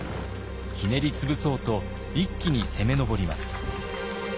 ひねり潰そうと一気に攻め上ります。